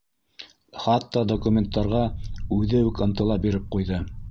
Хатта документтарға үҙе үк ынтыла биреп ҡуйҙы.